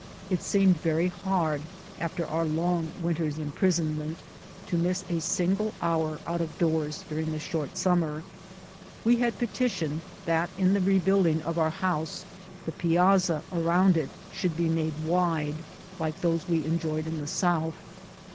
It seemed very hard, after our long winter's imprisonment, to miss a single hour out of doors during the short summer. 184 BOOTS AND SADDLES. "We had petitioned that in the rebuilding of our house the piazza around it should be made wide, like those we enjoyed in the Soutli.